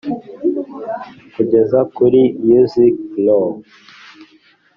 kugeza kuri music row